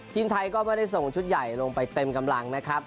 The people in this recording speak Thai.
ทีมไทยก็ไม่ได้ส่งชุดใหญ่ลงไปเต็มกำลังนะครับ